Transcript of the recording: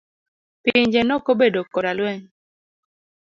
Pinje nokobedo koda lweny.